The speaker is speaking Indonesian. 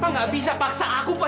pak enggak bisa paksa aku pak